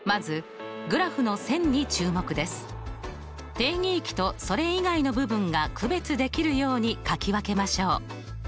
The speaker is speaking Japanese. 定義域とそれ以外の部分が区別できるようにかき分けましょう。